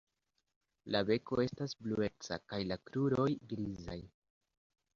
La beko estas blueca kaj la kruroj grizaj.